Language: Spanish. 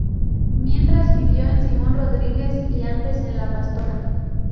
Mientras vivió en Simón Rodríguez y antes en La Pastora.